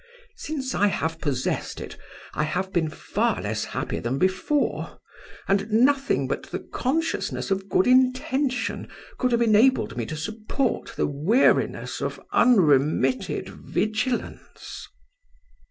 Since I have possessed it I have been far less happy than before, and nothing but the consciousness of good intention could have enabled me to support the weariness of unremitted vigilance.